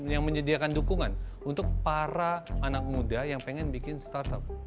yang menyediakan dukungan untuk para anak muda yang pengen bikin startup